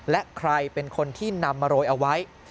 และใครเป็นคนที่นำมาโรยเอาไว้